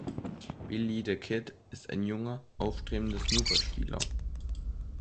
Billy the Kid ist ein junger, aufstrebender Snookerspieler.